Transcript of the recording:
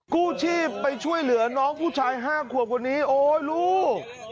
กู้ชีพไปช่วยเหลือน้องผู้ชาย๕ขวบคนนี้โอ๊ยลูก